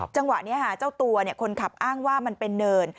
จังหวะนี้เจ้าตัวคนขับอ้างว่ามันเป็นเนิน